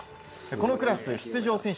このクラス出場選手